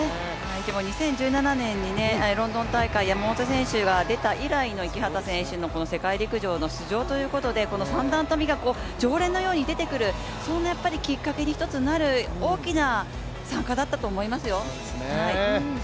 でも、２０１７年にロンドン大会山本選手が出て以来の池畠選手の世界陸上の出場ということで、この三段跳びが常連のように出てくるきっかけの一つになる大きな参加だったと思いますよ。